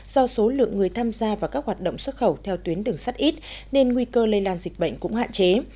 do số lượng người tham gia vào các hoạt động xuất khẩu theo tuyến đường sắt ít nên nguy cơ lây lan dịch bệnh cũng hạn chế